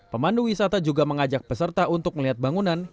pemandu wisata juga mengajak peserta untuk melihat bangunan